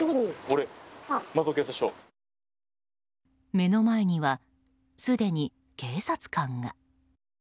目の前には、すでに警察官が。